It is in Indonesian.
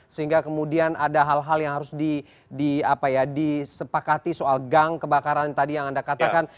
sehingga kemudian ada hal hal yang harus disepakati soal gang kebakaran tadi yang anda katakan